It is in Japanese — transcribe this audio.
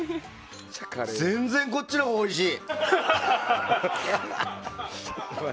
全然こっちのほうがおいしい！